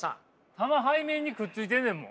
球背面にくっついてんねんもん。